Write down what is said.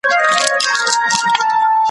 زه به اوږده موده د ليکلو تمرين کړی وم!.